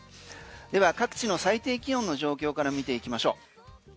では各地の最低気温の状況から見ていきましょう。